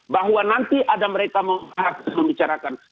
bahwa nanti ada mereka harus membicarakan